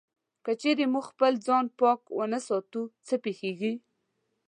که چېرې موږ خپل ځان پاک و نه ساتو، څه پېښيږي؟